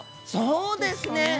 そうですね！